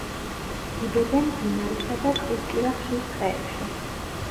ბუდობენ მდინარისა და ტყისპირა ხშირ ტყეებში.